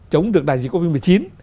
chống được đại dịch covid một mươi chín